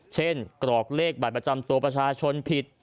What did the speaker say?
กรอกเลขบัตรประจำตัวประชาชนผิด